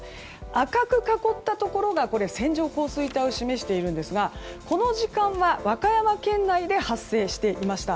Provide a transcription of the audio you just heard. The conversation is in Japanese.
赤く囲ったところが線状降水帯を示しているんですがこの時間は和歌山県内で発生していました。